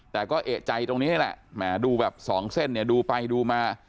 แต่ก็เอกใจตรงนี้แหละแหมดูแบบสองเส้นเนี่ยดูไปดูมา